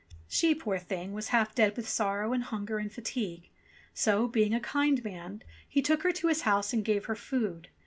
She, poor thing, was half dead with sorrow, and hunger, and fatigue, so, being a kind man, he took her to his house 192 ENGLISH FAIRY TALES and gave her food.